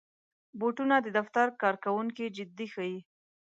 بوټونه د دفتر کارکوونکي جدي ښيي.